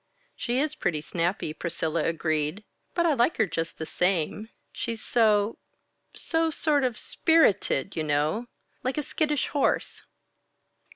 "She is pretty snappy," Priscilla agreed. "But I like her just the same. She's so so sort of spirited, you know like a skittish horse."